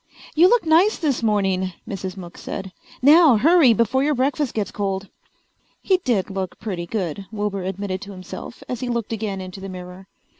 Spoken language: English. "You look nice this morning," Mrs. Mook said. "Now hurry before your breakfast gets cold." He did look pretty good, Wilbur admitted to himself as he looked again into the mirror.